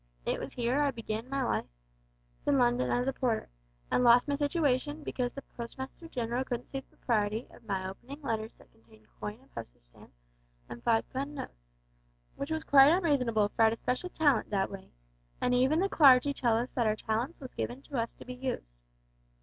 It was here I began my London life as a porter, and lost my situation because the Postmaster General couldn't see the propriety of my opening letters that contained coin and postage stamps and fi' pun' notes, which was quite unreasonable, for I had a special talent that way, and even the clargy tell us that our talents was given us to be used.